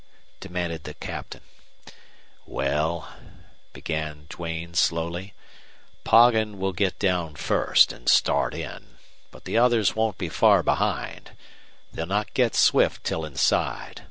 demanded the Captain. "Well," began Duane, slowly, "Poggin will get down first and start in. But the others won't be far behind. They'll not get swift till inside.